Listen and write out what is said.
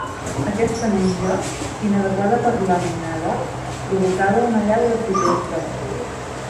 Aquesta menja, inadequada per a la mainada, provocava una allau de protestes.